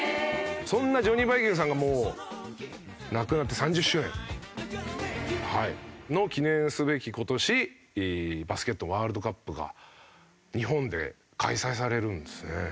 そんなジョニー・バイキングさんがもう亡くなって３０周年。の記念すべき今年バスケットワールドカップが日本で開催されるんですね。